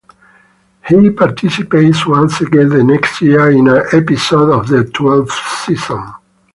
He participates once again the next year in an episode of the twelfth season.